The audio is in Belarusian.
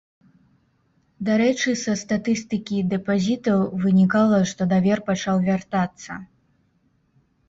Дарэчы, са статыстыкі дэпазітаў вынікала, што давер пачаў вяртацца.